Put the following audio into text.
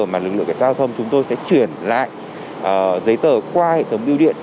mà lực lượng giải thông chúng tôi sẽ chuyển lại giấy tờ qua hệ thống biêu điện